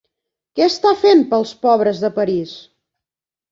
Què està fent pels pobres de París?